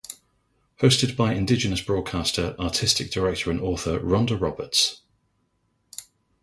Hosted by Indigenous broadcaster, artistic director and author, Rhoda Roberts.